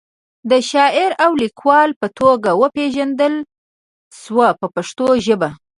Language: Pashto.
د شاعر او لیکوال په توګه وپیژندل شو په پښتو ژبه.